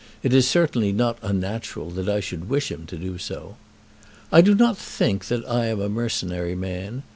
It is certainly not unnatural that I should wish him to do so. I do not think that I am a mercenary man.